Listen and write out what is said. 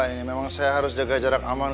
ini memang saya harus jaga jarak aman